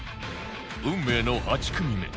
運命の８組目